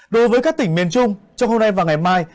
đối với các tỉnh miền trung trong hôm nay và ngày mai